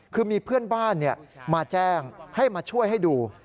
คือมีเพื่อนบ้านมาแจ้งให้มาช่วยให้ดู